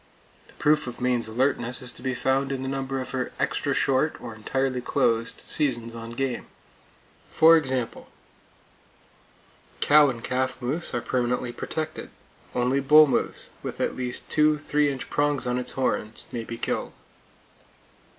The proof of Maine's alertness is to be found in the number of her extra short, or entirely closed, seasons on game. For example: Cow and calf moose are permanently protected. Only bull moose, with at least two 3 inch prongs on its horns, may be killed.